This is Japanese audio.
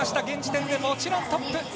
現時点でもちろんトップ。